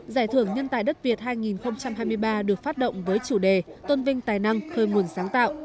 giải thưởng nhân tài đất việt hai nghìn hai mươi ba được phát động với chủ đề tôn vinh tài năng khơi nguồn sáng tạo